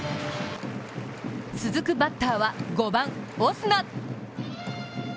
続くバッターは５番・オスナ。